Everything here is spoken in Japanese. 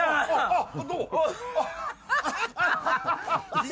あっ